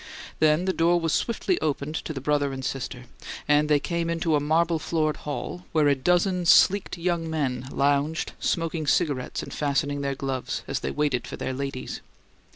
Then the door was swiftly opened to the brother and sister; and they came into a marble floored hall, where a dozen sleeked young men lounged, smoked cigarettes and fastened their gloves, as they waited for their ladies.